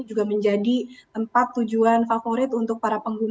juga menjadi tempat tujuan favorit untuk para pengguna